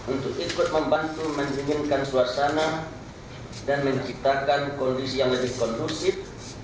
untuk ikut membantu mencingkan suasana dan menciptakan kondisi yang lebih kondusif